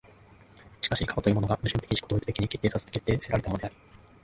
しかし過去というものが矛盾的自己同一的に決定せられたものであり、